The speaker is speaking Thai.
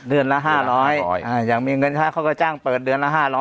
เดือนละ๕๐๐อยากมีเงินใช้เขาก็จ้างเปิดเดือนละ๕๐๐